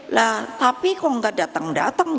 lah tapi kok gak dateng dateng